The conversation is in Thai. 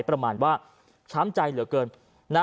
ประมาณว่าช้ำใจเหลือเกินนะ